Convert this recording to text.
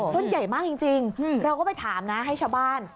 ต้นใหญ่มากจริงเราก็ไปถามนะให้ชาวบ้าน